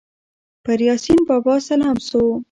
پر یاسین بابا سلام سو